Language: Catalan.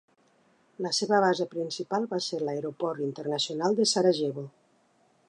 La seva base principal va ser l'aeroport internacional de Sarajevo.